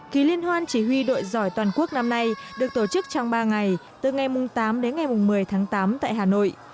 ký liên hoan chỉ huy đội giỏi toàn quốc năm nay được tổ chức trong ba ngày từ ngày tám đến ngày một mươi tháng tám tại hà nội